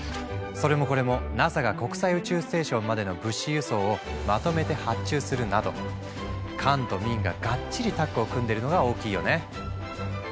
それもこれもＮＡＳＡが国際宇宙ステーションまでの物資輸送をまとめて発注するなど官と民ががっちりタッグを組んでるのが大きいよね。